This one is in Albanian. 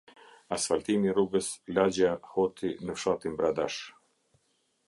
Asfaltimi i rrugës lagjja hoti në fshatin bradash